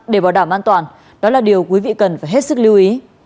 để bảo đảm an toàn đó là điều quý vị cần phải hết sức lưu ý